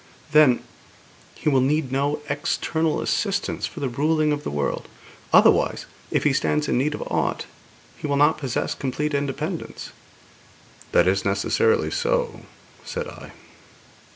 'Then, He will need no external assistance for the ruling of the world. Otherwise, if He stands in need of aught, He will not possess complete independence.' 'That is necessarily so,' said I.